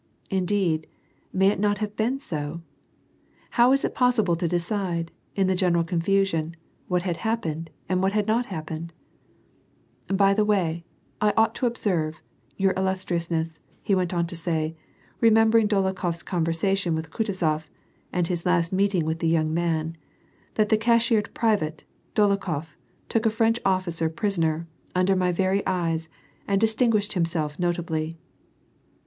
Indeeil, may it not have been so ? How Avas it possible to decide, in the general confusion, what had hapi)ened and whiit ha<i not happened ?" By the way, I ought to observe, your illustriousness,'' h»* went on to say, remembering Dolokliof's convei*sation with Kutuzof, and his last meeting with the young man, "that the cashiered private, Dolokhof, took a French officer prisoner, under my very eyes, and distinguished himself notably."